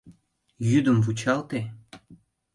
Йӱдым вучалте...